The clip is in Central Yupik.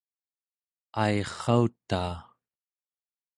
airrautaa